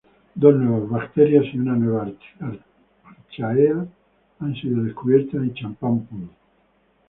Dos nuevas bacterias y una nueva archaea han sido descubiertas en Champagne Pool.